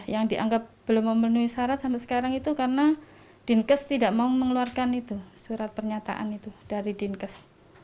yang dianggap belum memenuhi syarat sampai sekarang itu karena dinkes tidak mau mengeluarkan itu surat pernyataan itu dari dinkes